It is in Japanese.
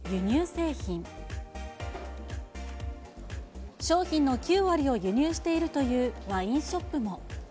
商品の９割を輸入しているというワインショップも。